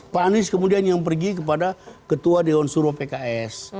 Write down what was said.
pak anies kemudian yang pergi kepada ketua dewan suruh pks